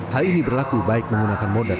hal ini berlaku baik menggunakan moda